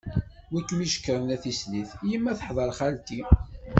Win i kem-icekkren a tislit? Yemma teḥder xalti.